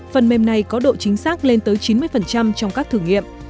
phần mềm này có độ chính xác lên tới chín mươi trong các thử nghiệm